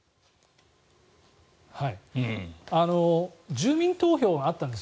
住民投票があったんです。